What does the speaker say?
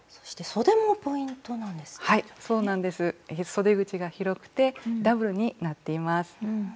そで口が広くてダブルになっています。